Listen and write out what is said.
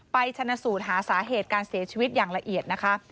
ชนะสูตรหาสาเหตุการเสียชีวิตอย่างละเอียดนะคะ